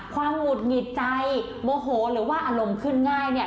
หงุดหงิดใจโมโหหรือว่าอารมณ์ขึ้นง่ายเนี่ย